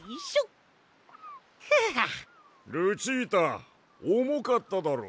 ルチータおもかっただろう？